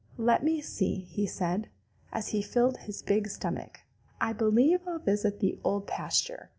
"Let me see," said he, as he filled his big stomach, "I believe I'll visit the Old Pasture.